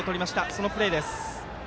そのプレーです。